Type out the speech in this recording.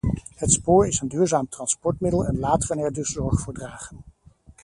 Het spoor is een duurzaam transportmiddel en laten we er dus zorg voor dragen.